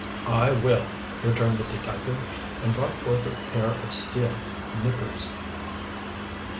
"I will," returned the detective, and brought forth a pair of steel "nippers."